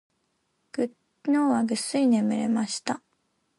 昨日はぐっすり眠れました。